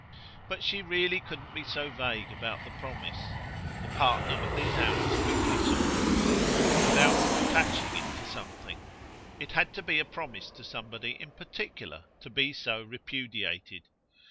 But she really couldn't be so vague about the promise, the partner of these hours quickly saw, without attaching it to something; it had to be a promise to somebody in particular to be so repudiated.